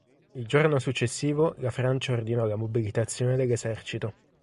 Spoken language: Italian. Il giorno successivo la Francia ordinò la mobilitazione dell'esercito.